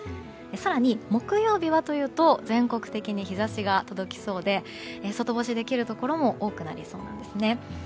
更に、木曜日はというと全国的に日差しが届きそうで外干しできるところも多くなりそうなんですね。